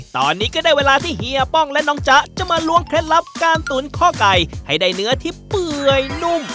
ตอนนี้ก็ได้เวลาที่เฮียป้องและน้องจ๊ะจะมาล้วงเคล็ดลับการตุ๋นข้อไก่ให้ได้เนื้อที่เปื่อยนุ่ม